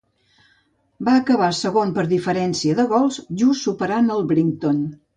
Va acabar segon per diferència de gols, just superant al Brighton.